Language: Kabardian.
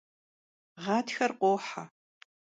Ğatxer khohe.